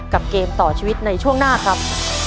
เกมต่อชีวิตในช่วงหน้าครับ